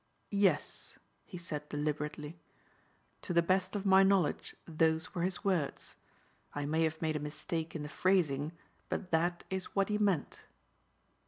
"Yes," he said deliberately. "To the best of my knowledge those were his words. I may have made a mistake in the phrasing but that is what he meant."